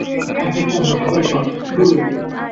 আজ হোক কাল হোক খবর একটা দেবেই।